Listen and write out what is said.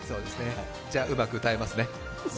じゃ、うまく歌えますね。